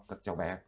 các cháu bé